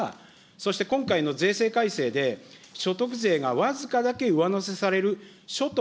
そして今回の税制改正で所得税が僅かだけ上乗せされる所得